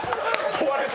壊れた！